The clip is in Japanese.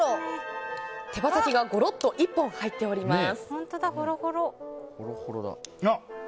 手羽先がゴロッと１本入っております。